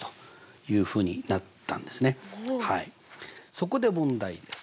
そこで問題です。